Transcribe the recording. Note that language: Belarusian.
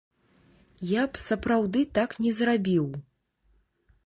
Я б сапраўды так не зрабіў.